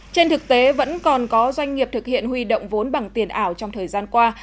trên thực tế vẫn còn có doanh nghiệp thực hiện huy động vốn bằng tiền ảo trong thời gian qua